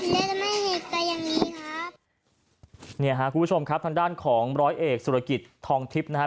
และจะไม่ผิดแต่อย่างนี้ครับเนี่ยฮะคุณผู้ชมครับทางด้านของร้อยเอกสุรกิจทองทิพย์นะครับ